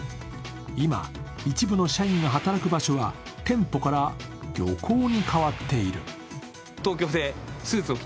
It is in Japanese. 今、一部の社員が働く場所が店舗から漁港に変わっている。